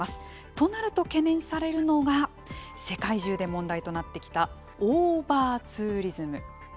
となると懸念されるのが世界中で問題となってきたオーバーツーリズム。